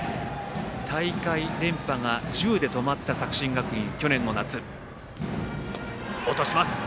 大会連覇が１０で止まった作新学院去年の夏。